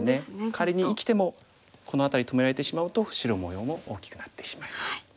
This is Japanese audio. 仮に生きてもこの辺り止められてしまうと白模様も大きくなってしまいます。